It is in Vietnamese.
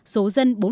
số dân bốn một